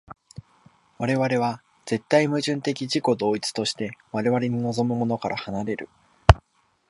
我々は絶対矛盾的自己同一として我々に臨むものから離れる。